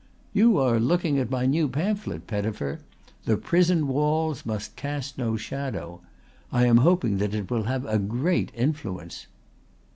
"You are looking at my new pamphlet, Pettifer, The Prison Walls must Cast no Shadow. I am hoping that it will have a great influence."